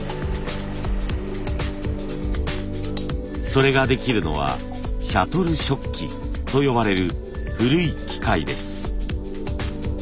それができるのはシャトル織機と呼ばれる古い機械です。